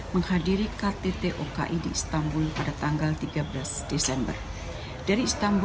menghadiri ktt organisasi kerjasama islam